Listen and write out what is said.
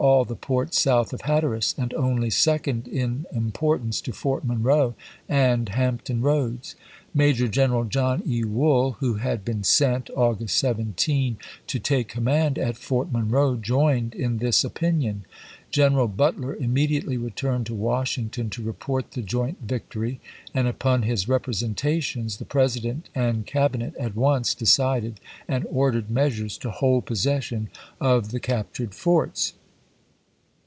all the ports south of Hatteras, and only second an<fi)ocu in importance to Fort Monroe and Hampton isei ei Part III. Eoads." Major General John E. Wool, who had p ss. '' been sent (August 17) to take command at Fort aS^'scott, Monroe, joined in this opinion. Greneral Butler w?R^vol■. immediately returned to Washington to report the "^' joint victory, and upon his representations the President and Cabinet at once decided and ordered measures to hold possession of the captured forts.